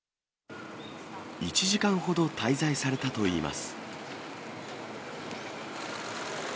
１時間ほど滞在されたといいます。